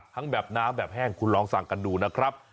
แบบน้ำแบบแห้งคุณลองสั่งกันดูนะครับ